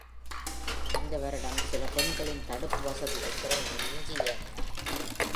இந்த வருடம், சில பெண்களின் தடுப்பு வசதிகள் திறனை மிஞ்சி இயங்கின.